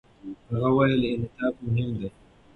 هغه وویل، انعطاف مهم دی.